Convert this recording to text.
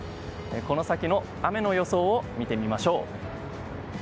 この先の雨の予想を見てみましょう。